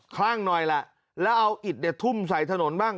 คลั่งหน่อยล่ะแล้วเอาอิดเนี่ยทุ่มใส่ถนนบ้าง